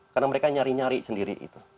karena mereka nyari nyari sendiri itu